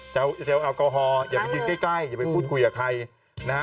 อย่าไปดูใกล้อย่าไปปู๊บคุยกับใคร